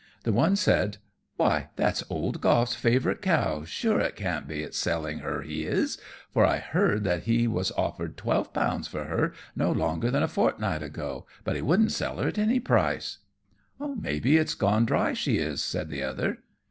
The one said, "Why, that is old Goff's favourite cow, sure it can't be it's selling her he is, for I heard that he was offered twelve pounds for her no longer than a fortnight ago, but he wouldn't sell her at any price." "May be it's gone dry she is," said the other.